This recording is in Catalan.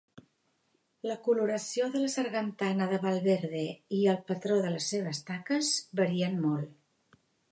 La coloració de la sargantana de Valverde i el patró de les seves taques varien molt.